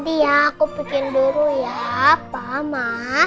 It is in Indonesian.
nanti ya aku pikirin dulu ya papa ma